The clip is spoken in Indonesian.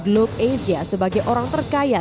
globe asia sebagai orang terkaya